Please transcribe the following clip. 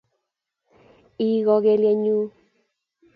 Ihii kokelyet nyuu